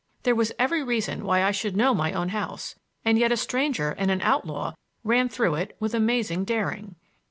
There was every reason why I should know my own house, and yet a stranger and an outlaw ran through it with amazing daring.